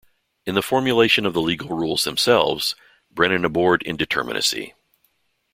In the formulation of the legal rules themselves, Brennan abhorred indeterminacy.